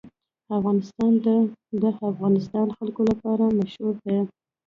افغانستان د د افغانستان جلکو لپاره مشهور دی.